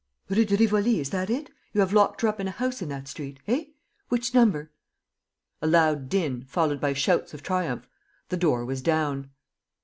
..." "Rue de Rivoli, is that it? You have locked her up in a house in that street ... eh? Which number?" A loud din ... followed by shouts of triumph. ... The door was down.